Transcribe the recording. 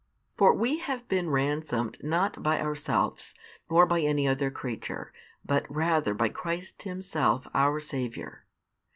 For we have been ransomed not by ourselves, nor by any other creature, but rather by Christ Himself our Saviour.